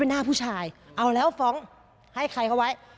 หน้าผู้ชายเอาแล้วฟ้องให้ใครเขาไว้